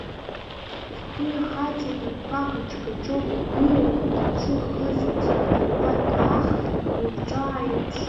Уи ахаҵа инапқәа қачқачо, ииулак иҿы хызҩоз ахҭарԥа даахан, ихы-иҿы ааирԥшит.